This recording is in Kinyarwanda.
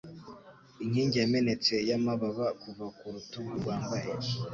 Inkingi yamenetse yamababa kuva ku rutugu rwambaye,